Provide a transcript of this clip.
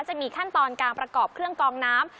จะมีขั้นตอนการประกอบเครื่องกองน้ำ